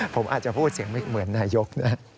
ผมอาจจะพูดเสียงไม่เหมือนนายกนะ